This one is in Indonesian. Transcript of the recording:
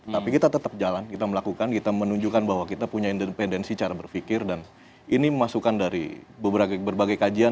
tapi kita tetap jalan kita melakukan kita menunjukkan bahwa kita punya independensi cara berpikir dan ini masukan dari berbagai kajian